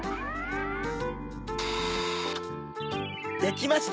できました！